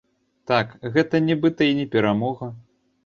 Так, гэта нібыта і не перамога.